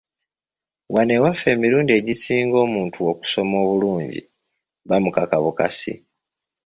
Wano ewaffe emirundi egisinga omuntu okusoma obulungi bamukaka bukasi!